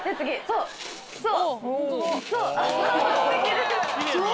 そう！